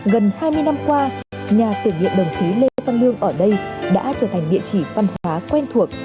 gần hai mươi năm qua nhà tưởng niệm đồng chí lê văn lương ở đây đã trở thành địa chỉ văn hóa quen thuộc